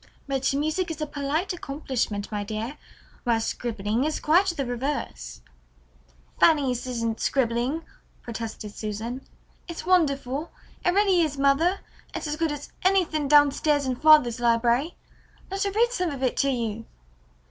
"But music is a polite accomplishment, my dear, whereas scribbling is quite the reverse." "Fanny's isn't scribbling," protested Susan. "It's wonderful. It really is, mother. It's as good as anything down stairs in father's library. Let her read some of it to you."